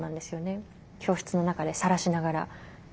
教室の中でさらしながら。